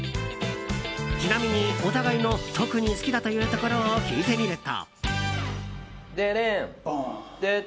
ちなみに、お互いの特に好きだというところを聞いてみると。